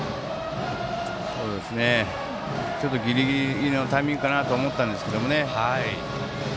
ギリギリのタイミングかなと思ったんですけどね。